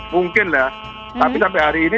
mungkin ya tapi sampai hari ini